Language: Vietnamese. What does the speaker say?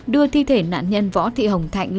đưa thi thể nạn nhân võ thị hồng thạnh